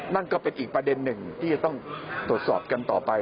นั่นก็เป็นอีกประเด็นหนึ่งที่จะต้องตรวจสอบกันต่อไป